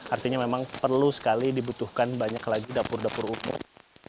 artinya memang perlu sekali dibutuhkan banyak lagi dapur dapur umum